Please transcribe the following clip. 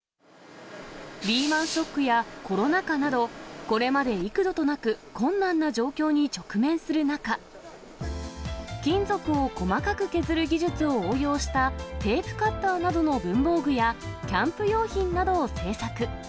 リーマンショックやコロナ禍など、これまで幾度となく困難な状況に直面する中、金属を細かく削る技術を応用したテープカッターなどの文房具や、キャンプ用品などを製作。